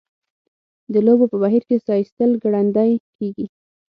د لوبو په بهیر کې ساه ایستل ګړندۍ کیږي.